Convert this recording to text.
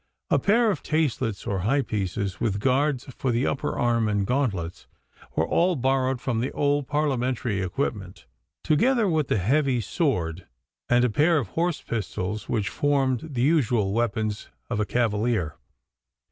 A pair of taslets or thigh pieces, with guards for the upper arm and gauntlets, were all borrowed from the old Parliamentary equipment, together with the heavy straight sword and pair of horse pistols which formed the usual weapons of a cavalier.